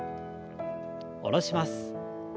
下ろします。